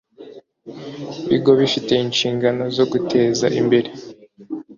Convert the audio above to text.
Bigo bifite inshingano zo guteza imbere